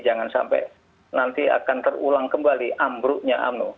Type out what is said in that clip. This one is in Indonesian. jangan sampai nanti akan terulang kembali ambruknya